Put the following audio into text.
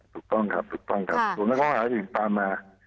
ถูกต้องครับถูกต้องครับส่วนในข้อหาอื่นตามมา